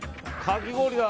かき氷だ。